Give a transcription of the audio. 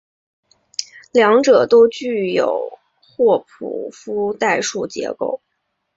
两者都具有霍普夫代数结构。